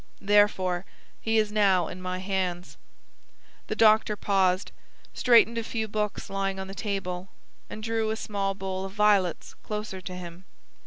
Therefore he is now in my hands." The doctor paused, straightened a few books lying on the table, and drew a small bowl of violets closer to him.